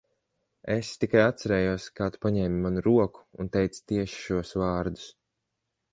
Es tikai atcerējos, kā tu paņēmi manu roku un teici tieši šos vārdus.